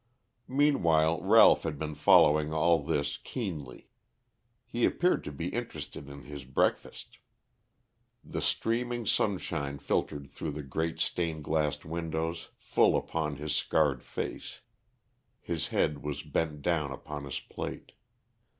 Meanwhile Ralph had been following all this keenly. He appeared to be interested in his breakfast. The streaming sunshine filtered through the great stained glass windows full upon his scarred face; his head was bent down upon his plate.